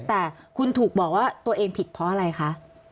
แต่คุณถูกบอกว่าตัวเองผิดเพราะอะไรคะ